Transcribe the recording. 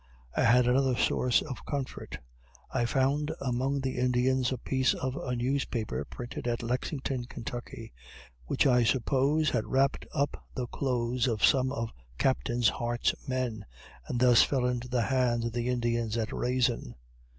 I had another source of comfort: I found among the Indians a piece of a newspaper printed at Lexington, Kentucky, which I suppose had wrapped up the clothes of some of Captain Hart's men, and thus fell into the hands of the Indians at Raisin.